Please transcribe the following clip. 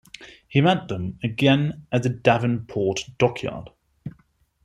He met them again at the Devonport dockyard.